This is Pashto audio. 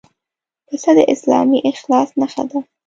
پسه د اسلامي اخلاص نښه ده.